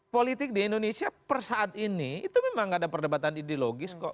politik di indonesia per saat ini itu memang gak ada perdebatan ideologis kok